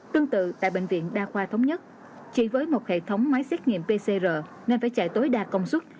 tương tự tại bệnh viện đa khoa thống nhất chỉ với một hệ thống máy xét nghiệm pcr nên phải chạy tối đa công suất